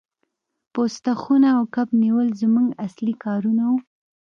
پوسته خونه او کب نیول زموږ اصلي کارونه وو